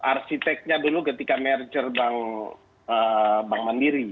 pak hairy ini kan arsiteknya dulu ketika merger bank bank mandiri